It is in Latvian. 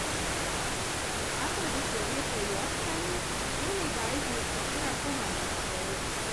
Atradi sev vietējo astainīti un pilnībā aizmirsi, kurā komandā spēlē?